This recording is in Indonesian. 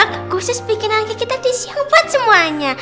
ini kusus bikinan lagi kita di siang buat semuanya